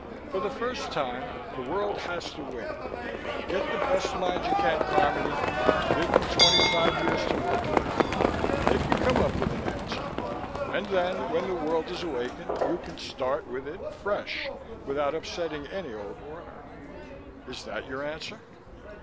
For the first time, the world has to wait. Get the best minds you can, Carmody. Give them twenty five years to work it out. They can come up with an answer. And then, when the world is awakened, you can start with it, fresh, without upsetting any old order. Is that your answer?"